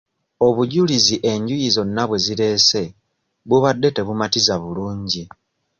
Obujulizi enjuyi zonna bwe zireese bubadde tebumatiza bulungi.